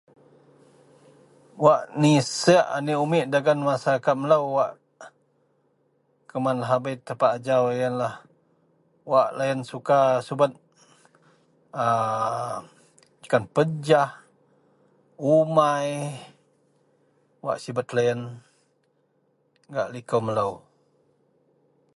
Wak niseak aneak umik dagen maseraket melou wak kuman lahabei tapak ajau yenlah, wak loyen suka subet a jekan pejah, umai wak sibet loyen gak likou melou